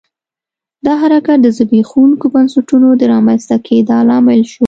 دا حرکت د زبېښونکو بنسټونو د رامنځته کېدا لامل شو.